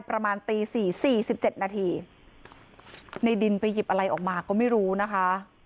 ประมาณตีสี่สี่สิบเจ็ดนาทีในดินไปหยิบอะไรออกมาก็ไม่รู้นะคะ